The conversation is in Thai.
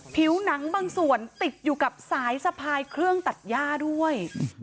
ผิวหนังบางส่วนติดอยู่กับสายสะพายเครื่องตัดย่าด้วย